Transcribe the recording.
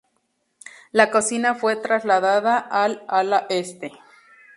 La cocina fue trasladada al ala este.